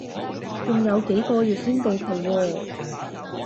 仲有幾個月先至到期喎